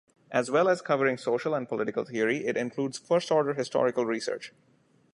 As well as covering social and political theory, it includes first-order historical research.